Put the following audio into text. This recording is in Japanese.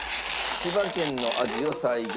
千葉県の味を再現。